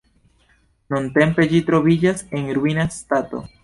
Nuntempe ĝi troviĝas en ruina stato.